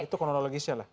itu kononologisnya lah